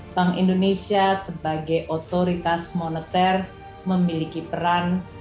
bank indonesia sebagai otoritas moneter memiliki peran